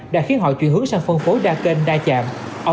đã khiến họ chuyển hướng sang phân phối đa kênh đa chạm